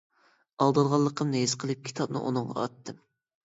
ئالدانغانلىقىمنى ھېس قىلىپ كىتابنى ئۇنىڭغا ئاتتىم.